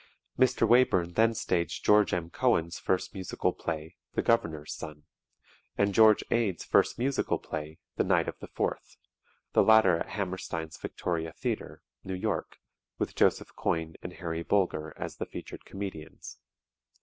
Mr. Wayburn then staged George M. Cohan's first musical play, "The Governor's Son," and George Ade's first musical play, "The Night of the 4th," the latter at Hammerstein's Victoria Theatre, New York, with Joseph Coyne and Harry Bulger as the featured comedians.